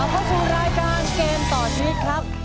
เข้าสู่รายการเกมต่อชีวิตครับ